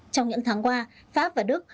trong những tháng qua pháp và đức